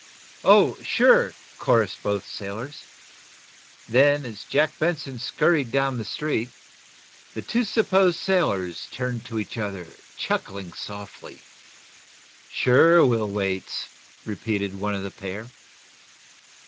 "Oh, sure!" chorused both sailors. Then, as Jack Benson scurried down the street, the two supposed sailors turned to each other, chuckling softly. "Sure we'll waits" repeated one of the pair.